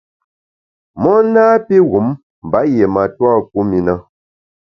Mon napi wum mba yié matua kum i na.